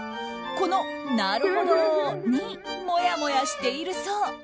この、なるほど！にもやもやしているそう。